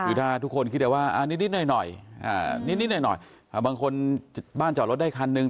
อยู่ถ้าทุกคนคิดว่านิดหน่อยบางคนบ้านจอดรถได้คันหนึ่ง